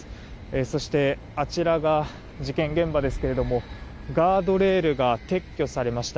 そして、あちらが事件現場ですけどもガードレールが撤去されました。